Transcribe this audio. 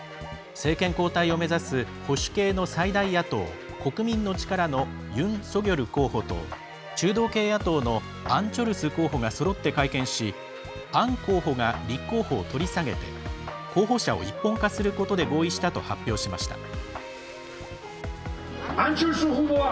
政権交代を目指す保守系の最大野党・国民の力のユン・ソギョル候補と中道系野党のアン・チョルス候補がそろって会見しアン候補が立候補を取り下げて候補者を一本化することで合意したと発表しました。